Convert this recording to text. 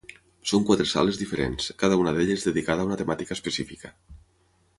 Són quatre sales diferents, cada una d’elles dedicada a una temàtica especifica.